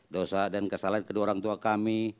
dosa dan kesalahan kedua orang tua kami